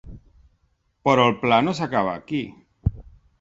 Però el pla no s’acaba ací.